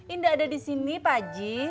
inggak ada di sini pak haji